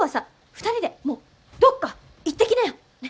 ２人でもうどっか行ってきなよ！ね。